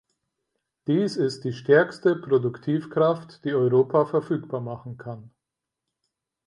Dies ist die stärkste Produktivkraft, die Europa verfügbar machen kann.